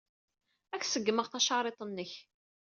Ad ak-ṣeggmeɣ tacariḍt-nnek.